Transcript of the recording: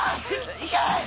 行け！